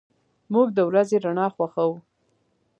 موږ د ورځې رڼا خوښو.